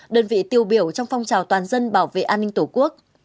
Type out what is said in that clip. đơn vị tiêu biểu trong phong trào toàn dân bảo vệ an ninh tổ quốc